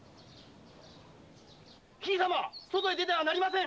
・姫様外へ出てはなりません。